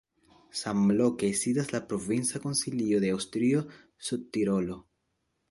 Samloke sidas la provincia konsilio de Aŭstrio-Sudtirolo.